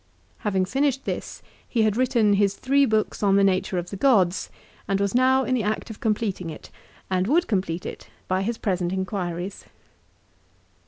Having finished this, he had written his three books on the nature of the gods, and was now in the act of completing it, and would complete it, by his present inquiries.